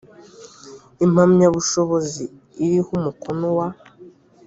impamyabushobozi iriho umukono wa